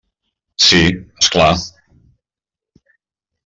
Sí, és clar.